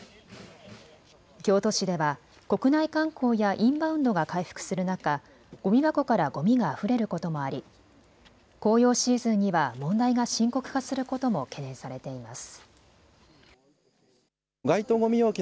京都市では国内観光やインバウンドが回復する中、ごみ箱からごみがあふれることもあり紅葉シーズンには問題が深刻化することも懸念されています。